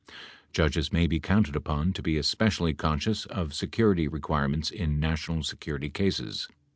Judges may be counted upon to be especially conscious of security requirements in national security cases."